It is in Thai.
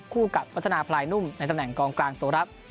คู่กับวัฒนาพลายนุ่มในตำแหน่งกองกลางตัวรับ